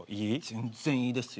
全然いいですよ。